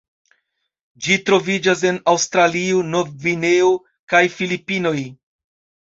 Ĝi troviĝas en Aŭstralio, Nov-Gvineo kaj Filipinoj.